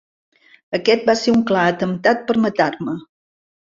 Aquest va ser un clar atemptat per matar-me.